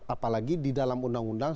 apalagi di dalam undang undang